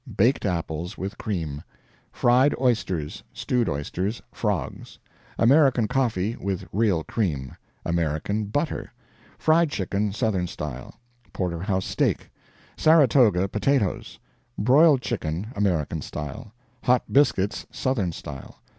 Baked apples, with cream Fried oysters; stewed oysters. Frogs. American coffee, with real cream. American butter. Fried chicken, Southern style. Porter house steak. Saratoga potatoes. Broiled chicken, American style. Hot biscuits, Southern style.